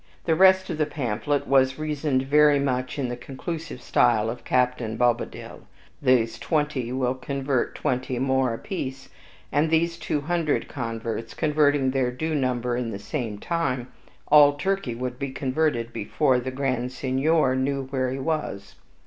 The rest of the pamphlet was reasoned very much in the conclusive style of Captain Bobadil, these twenty will convert twenty more apiece, and these two hundred converts, converting their due number in the same time, all Turkey would be converted before the Grand Signior knew where he was.